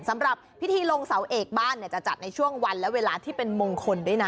สำหรับพิธีลงเสาเอกบ้านเนี่ยจะจัดในช่วงวันและเวลาที่เป็นมงคลด้วยนะ